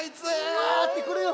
うわってくるよ。